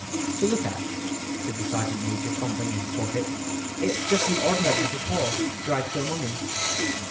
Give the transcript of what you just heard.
"To look at," said the sergeant major, fumbling in his pocket, "it's just an ordinary little paw, dried to a mummy."